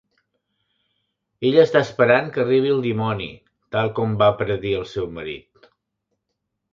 Ella està esperant que arribi el dimoni, tal com va predir el seu marit.